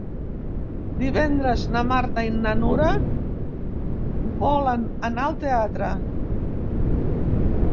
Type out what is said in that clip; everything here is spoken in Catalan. Divendres na Marta i na Nura volen anar al teatre.